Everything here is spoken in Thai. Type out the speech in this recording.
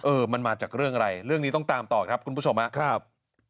มันมาจากเรื่องอะไรเรื่องนี้ต้องตามต่อครับคุณผู้ชมครับ